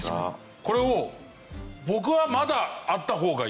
これを僕はまだあった方がいい。